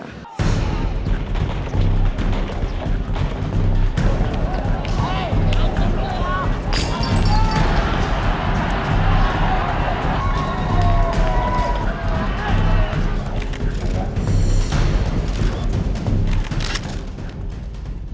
ketika dikumpulkan oleh jokowi jokowi menangkap jokowi